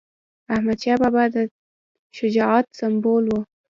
احمدشاه بابا د شجاعت سمبول و.